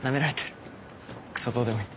クソどうでもいい。